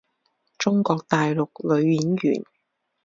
中国大陆女演员。